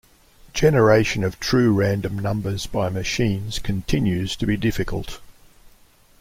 Generation of true random numbers by machines continues to be difficult.